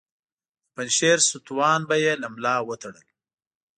د پنجشیر ستوان به یې له ملا وتړل.